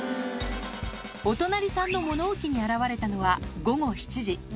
お隣さんの物置に現れたのは午後７時。